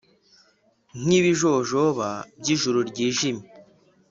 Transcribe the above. Nk'ibijojoba by'ijuru ryijimye.